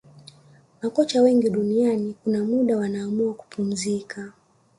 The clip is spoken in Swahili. makocha wengi duniani kuna muda wanaamua kupumzika